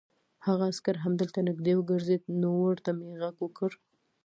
هغه عسکر همدلته نږدې ګرځېد، نو ورته مې غږ وکړ.